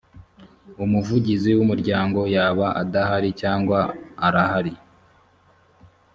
umuvugizi wumuryango yaba adahari cyangwa arahari.